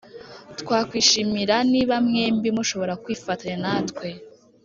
twakwishimira niba mwembi mushobora kwifatanya natwe.